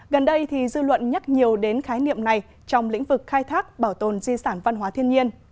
gần đây dư luận nhắc nhiều đến khái niệm này trong lĩnh vực khai thác bảo tồn di sản văn hóa thiên nhiên